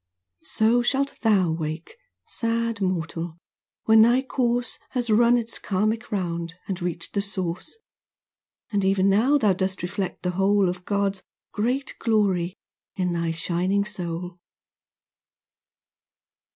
So shalt thou wake, sad mortal, when thy course Has run its karmic round, and reached the Source, And even now thou dost reflect the whole Of God's great glory in thy shining soul.